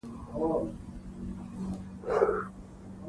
شاه محمود د ښار د مقاومت وړتیا نه لري.